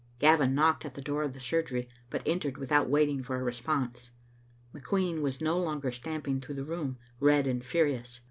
Gavin knocked at the door of the surgery, but entered without waiting for a response. McQueen was no longer stamping through the room, red and furious.